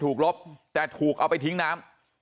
ลบแต่ถูกเอาไปทิ้งน้ำ